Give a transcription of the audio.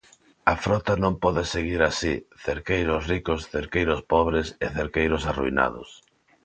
A frota non pode seguir así: cerqueiros ricos, cerqueiros pobres e cerqueiros arruinados.